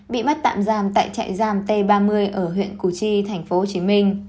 bị mắt tạm giam tại chạy giam t ba mươi ở huyện củ chi tp hcm